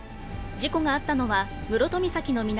事故があったのは、室戸岬の南